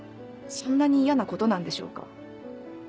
そんなに嫌なことなんでしょうか？